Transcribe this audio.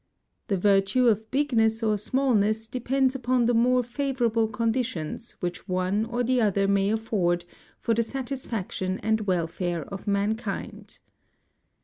The virtue of bigness or smallness de pends upon the more favorable conditions which one or the other may afford for the satisfaction and welfare of mankind.